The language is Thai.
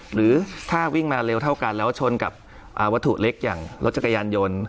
หรือถ้าวิ่งมาเร็วเท่ากันแล้วชนกับวัตถุเล็กอย่างรถจักรยานยนต์